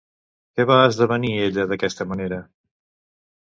Què va esdevenir ella d'aquesta manera?